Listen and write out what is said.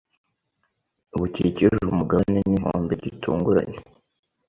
bukikije umugabane ni inkombe gitunguranye